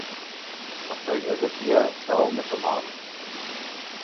Pastaj Ezekia qau me të madhe.